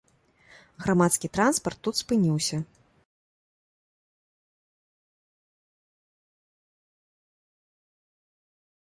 Грамадскі транспарт тут спыніўся.